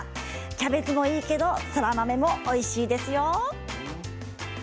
キャベツもいいけどそら豆もおいしいですよ。